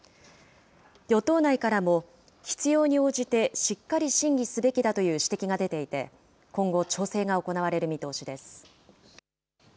与党内からも、必要に応じてしっかり審議すべきだという指摘が出ていて、今後、調整が行われる見通しです。